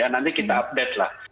nanti kita update lah